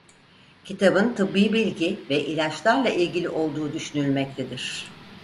Kitabın tıbbi bilgi ve ilaçlarla ilgili olduğu düşünülmektedir.